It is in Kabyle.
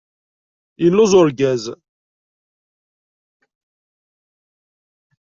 Yelluẓ urgaz.